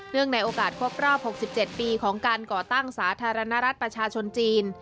ในโอกาสครบรอบ๖๗ปีของการก่อตั้งสาธารณรัฐประชาชนจีน